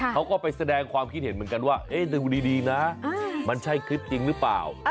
เขาก็ไปแสดงความคิดเห็นเหมือนกันว่าดูดีนะมันใช่คลิปจริงหรือเปล่า